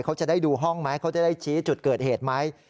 เขาจะได้ดูห้องไหมเขาจะได้ชี้จุดเกิดเหตุไหม